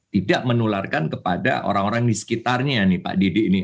tidak menularkan kepada orang orang di sekitarnya nih pak didi ini